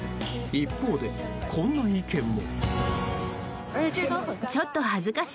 一方で、こんな意見も。